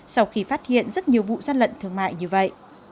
sau khi phát hiện rất nhiều vụ gian lận thương mại như vậy